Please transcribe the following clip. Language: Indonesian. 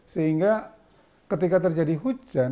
sehingga ketika terjadi hujan